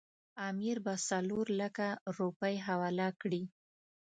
امیر به څلورلکه روپۍ حواله کړي.